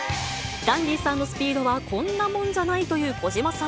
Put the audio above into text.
ダンディさんのスピードはこんなもんじゃないという、小島さん。